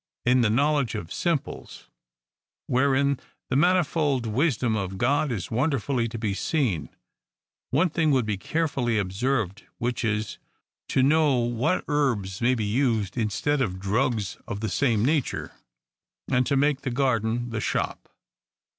— In the knowledge of simples, wherein the mani fold wisdom of God is wonderfully to be seen, one thing would be carefully observed ; which is, to know what herbs may be used instead of drugs of the same nature, and to make the garden the shop.